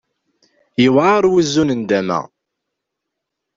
Yewɛer wuzu n nndama.